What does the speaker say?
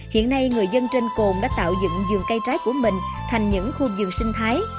hiện nay người dân trên cồn đã tạo dựng giường cây trái của mình thành những khu giường sinh thái